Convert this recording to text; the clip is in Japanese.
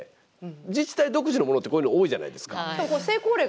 自治体独自のものってこういうの多いじゃないですか。